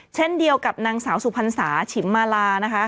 เช่นเดียวกับนางสาวสุพรรษาฉิมมาลานะคะ